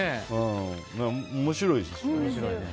面白いですね。